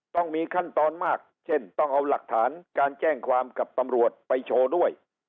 ต้องมีขั้นตอนมากเช่นต้องเอาหลักฐานการแจ้งความกับตำรวจไปโชว์ด้วย